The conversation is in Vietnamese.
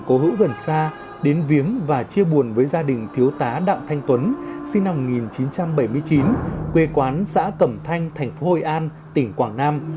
cố hữu gần xa đến viếng và chia buồn với gia đình thiếu tá đặng thanh tuấn sinh năm một nghìn chín trăm bảy mươi chín quê quán xã cẩm thanh thành phố hội an tỉnh quảng nam